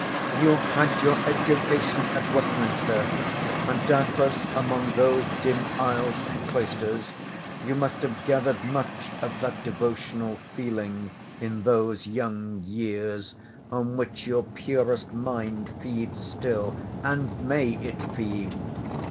You had your education at Westminster; and doubtless among those dim aisles and cloisters, you must have gathered much of that devotional feeling in those young years, on which your purest mind feeds still—and may it feed!